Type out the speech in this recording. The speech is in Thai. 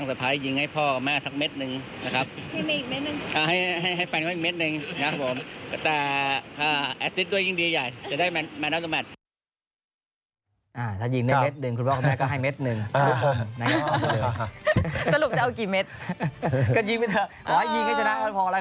ได้ยิงไปเถอะขอให้ยิงให้ชนะก็พอละ